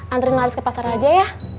antri maris ke pasar aja ya